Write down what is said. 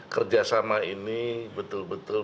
kerjasama ini betul betul